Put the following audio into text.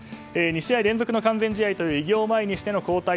２試合連続の完全試合という偉業を前にしての交代。